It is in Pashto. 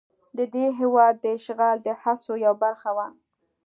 د دې هېواد د اشغال د هڅو یوه برخه وه.